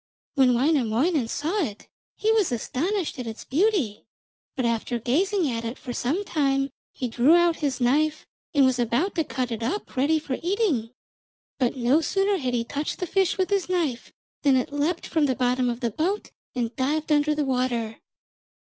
When Wainamoinen saw it he was astonished at its beauty, but after gazing at it for some time he drew out his knife and was about to cut it up ready for eating. But no sooner had he touched the fish with his knife than it leapt from the bottom of the boat and dived under the water.